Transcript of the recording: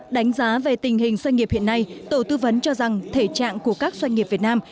đánh giá về tình hình doanh nghiệp hiện nay tổ tư vấn cho rằng thể trạng của các doanh nghiệp việt nam